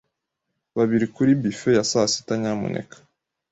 Babiri kuri bffet ya sasita, nyamuneka.